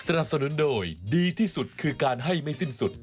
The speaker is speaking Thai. สนับสนุนโดยดีที่สุดคือการให้ไม่สิ้นสุด